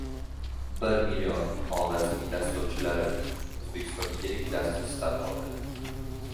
«Bir million Xorazmiy dasturchilari». O‘zbekistonda yirik dastur start oladi